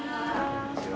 こんにちは。